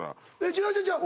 違う違う違う。